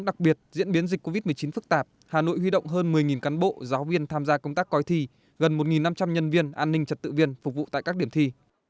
đặc biệt diễn biến dịch covid một mươi chín phức tạp hà nội huy động hơn một mươi cán bộ giáo viên tham gia công tác coi thi gần một năm trăm linh nhân viên an ninh trật tự viên phục vụ tại các điểm thi